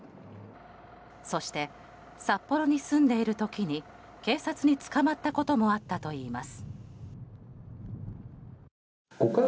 そして、札幌に住んでいる時に警察に捕まったこともあったといいます。